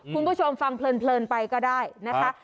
คุณผู้ชมฟังเพลินไปก็ได้นะคะ